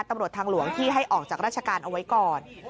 ตำรวจทางหลวงที่ให้ออกจากราชการเอาไว้ก่อน